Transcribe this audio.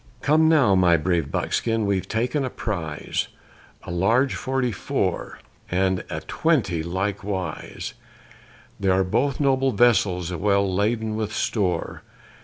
Come now, my brave buckskin, we've taken a prize, A large forty four, and a twenty likewise; They are both noble vessels, well laden with store!